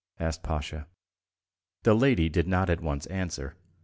asked Pasha. The lady did not at once answer.